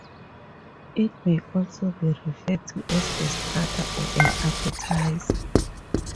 It may also be referred to as a starter, or an appetizer.